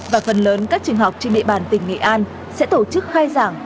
và phần lớn các trường học trên địa bàn tỉnh nghệ an sẽ tổ chức khai giảng